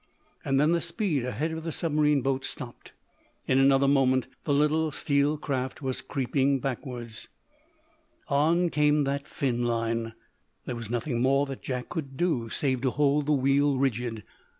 Then the speed ahead of the submarine boat stopped. In another moment the little steel craft was creeping backward. On came that fin line. There was nothing more that Jack could do, save to hold the wheel rigid.